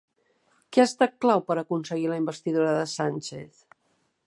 Què ha estat clau per aconseguir la investidura de Sánchez?